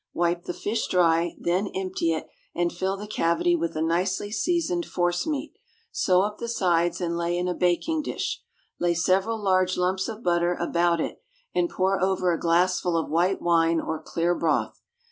Wipe the fish dry, then empty it, and fill the cavity with a nicely seasoned forcemeat, sew up the sides, and lay in a baking dish. Lay several large lumps of butter about it, and pour over a glassful of white wine or clear broth.